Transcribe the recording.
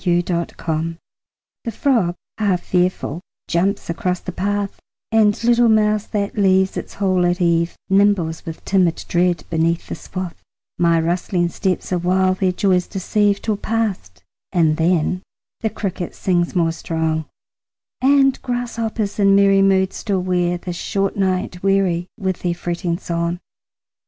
Summer Evening The frog half fearful jumps across the path, And little mouse that leaves its hole at eve Nimbles with timid dread beneath the swath; My rustling steps awhile their joys deceive, Till past, and then the cricket sings more strong, And grasshoppers in merry moods still wear The short night weary with their fretting song.